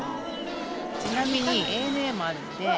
ちなみにＡＮＡもあるので。